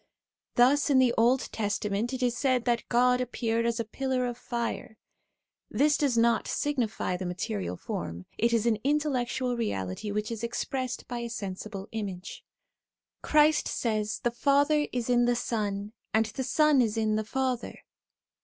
Thus in the Old Testament it is said that God appeared as a pillar of fire ; this does not signify the material form, it is an in tellectual reality which is expressed by a sensible image. Christ says, ' The Father is in the Son, and the Son is hi the Father.'